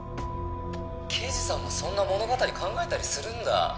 「刑事さんもそんな物語考えたりするんだ」